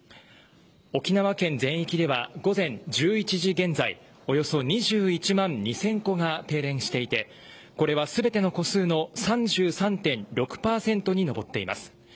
沖縄県全域では午前１１時現在およそ２１万２０００戸が停電していてこれは全ての戸数の３３．６％に上っています。